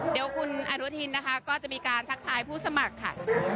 เดี๋ยวคุณอนุทินนะคะก็จะมีการทักทายผู้สมัครค่ะ